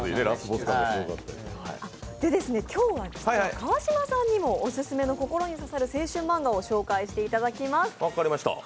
今日は川島さんにもオススメの心に刺さる青春マンガを御紹介していただきます。